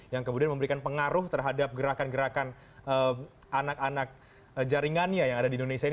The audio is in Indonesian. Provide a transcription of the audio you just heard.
yang kemudian memberikan pengaruh pada pemerintah suria ini